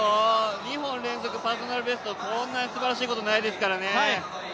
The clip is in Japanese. ２本連続パーソナルベスト、こんなにすばらしいことはないですからね。